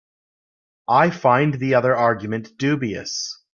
I find the other argument dubious.